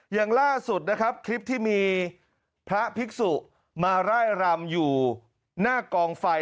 อย่างล่าสุดนะครับคลิปที่มีพระภิกษุมาร่ายรำอยู่หน้ากองไฟ